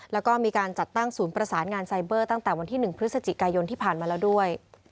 แล้วก็มีการจัดตั้งศูนย์ประสานงานไซเบอร์ตั้งแต่วันที่๑พฤศจิกายนที่ผ่านมาแล้วด้วย